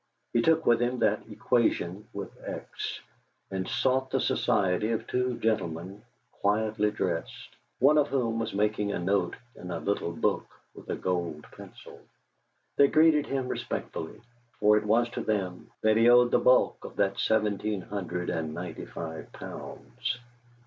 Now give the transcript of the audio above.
He took with him that equation with X, and sought the society of two gentlemen quietly dressed, one of whom was making a note in a little book with a gold pencil. They greeted him respectfully, for it was to them that he owed the bulk of that seventeen hundred and ninety five pounds.